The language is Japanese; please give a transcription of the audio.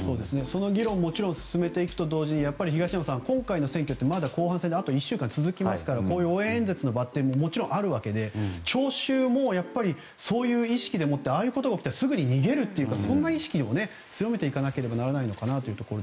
その議論もちろん進めていくのと同時に東山さん、今回の選挙まだ１週間続くのでこういう応援演説の場はもちろんあるわけで聴衆も、そういう意識でああいうことが起きたらすぐに逃げるというそんな意識を強めていかなければならないのかなと。